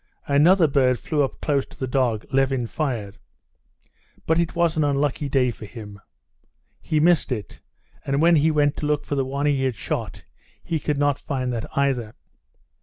Another bird flew up close to the dog. Levin fired. But it was an unlucky day for him; he missed it, and when he went to look for the one he had shot, he could not find that either.